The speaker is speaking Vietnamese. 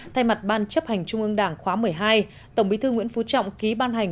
thay mặt ban chấp hành trung ương đảng khóa một mươi hai tổng bí thư nguyễn phú trọng ký ban hành